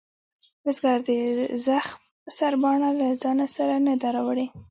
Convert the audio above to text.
بزگر د زخ سرباڼه له ځانه سره نه ده راوړې.